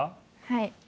はい。